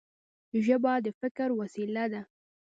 ژبه د فکر وسیله ده.